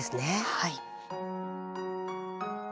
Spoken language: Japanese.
はい。